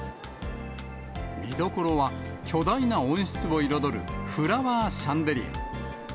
見どころは巨大な温室を彩る、フラワーシャンデリア。